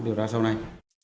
điều tra sau này